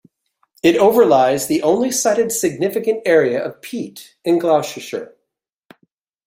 It overlies the only cited significant area of peat in Gloucestershire.